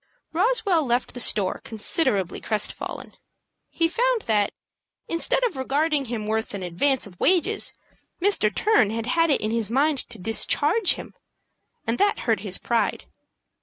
Roswell left the store considerably crest fallen. He found that, instead of regarding him worth an advance of wages, Mr. Turner had had it in his mind to discharge him; and that hurt his pride.